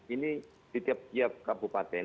ini di tiap tiap kabupaten